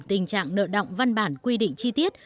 tình trạng nợ động văn bản quy định chi tiết